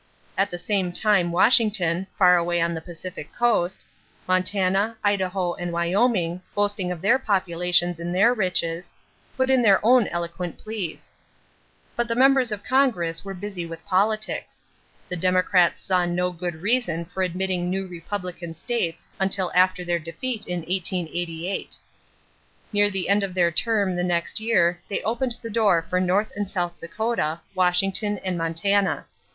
At the same time Washington, far away on the Pacific Coast, Montana, Idaho, and Wyoming, boasting of their populations and their riches, put in their own eloquent pleas. But the members of Congress were busy with politics. The Democrats saw no good reason for admitting new Republican states until after their defeat in 1888. Near the end of their term the next year they opened the door for North and South Dakota, Washington, and Montana.